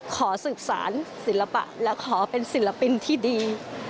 ขอสืบสารศิลปะและขอเป็นศิลปินที่ดี